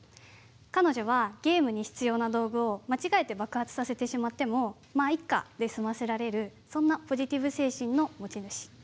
彼女はゲームに必要な道具を間違えて爆発させてしまっても「まあいっか」で済ませられるそんなポジティブ精神の持ち主。